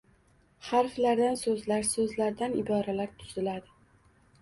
Harflardan so’zlar, so’zlardan iboralar tiziladi